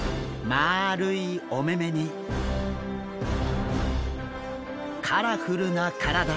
まあるいお目々にカラフルな体。